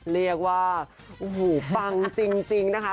เรียกว่าโอ้โหปังจริงนะคะ